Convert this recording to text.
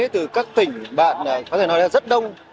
từ các tỉnh bạn này có thể nói là rất đông